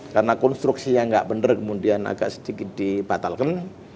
karena konstruksinya nggak bener kemudian agak sedikit dibatalkan